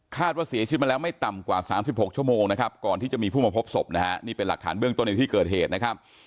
ว่าเสียชีวิตมาแล้วไม่ต่ำกว่า๓๖ชั่วโมงนะครับก่อนที่จะมีผู้มาพบศพนะฮะนี่เป็นหลักฐานเบื้องต้นในที่เกิดเหตุนะครับ